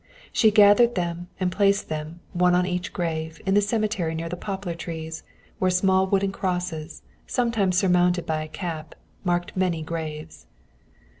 She gathered them and placed them, one on each grave, in the cemetery near the poplar trees, where small wooden crosses, sometimes surmounted by a cap, marked many graves.